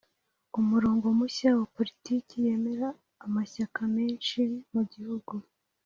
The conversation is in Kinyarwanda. umurongo mushya wa politiki yemera amashyaka menshi mu gihugu.